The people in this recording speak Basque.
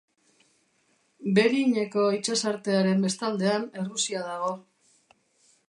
Beringeko itsasartearen bestaldean, Errusia dago.